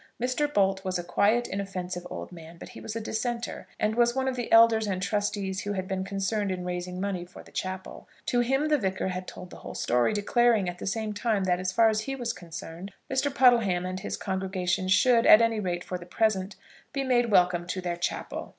Mr. Bolt was a quiet, inoffensive old man, but he was a dissenter, and was one of the elders and trustees who had been concerned in raising money for the chapel. To him the Vicar had told the whole story, declaring at the same time that, as far as he was concerned, Mr. Puddleham and his congregation should, at any rate for the present, be made welcome to their chapel.